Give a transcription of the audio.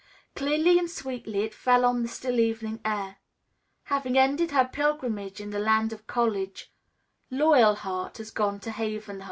Clearly and sweetly it fell on the still evening air: "Having ended her pilgrimage in the Land of College, Loyalheart has gone to Haven Home."